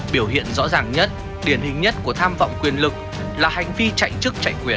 biểu hiện rõ ràng nhất điển hình nhất của tham vọng quyền lực là hành vi chạy chức chạy quyền